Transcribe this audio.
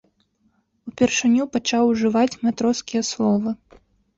Упершыню пачаў ужываць матроскія словы.